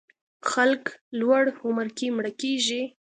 خلک لوړ عمر کې مړه کېږي.